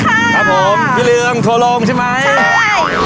ครับผมพี่เรืองทัวร์โรงใช่ไหม